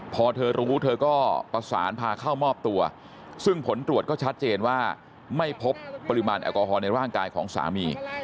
พอเธอรู้เธอก็ประสานพาเข้ามอบตัวซึ่งผลตรวจก็ชัดเจนว่าไม่พบปริมาณแอลกอฮอลในร่างกายของสามี